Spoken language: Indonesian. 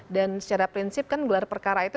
dan secara prinsip kan gelar perkara itu